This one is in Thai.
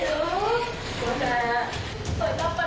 สวัสดีครับทุกคน